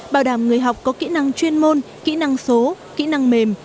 bảo đảm người học có kỹ năng chuyên môn kỹ năng số kỹ năng mềm